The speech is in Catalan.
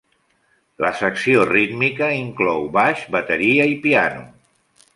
La secció rítmica inclou baix, bateria i piano.